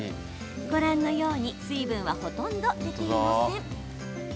ご覧のように水分はほとんど出ていません。